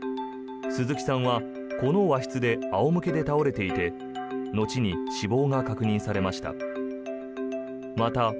鈴木さんはこの和室で仰向けで倒れていて後に死亡が確認されました。